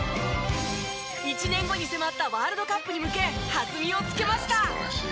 １年後に迫ったワールドカップに向け弾みをつけました。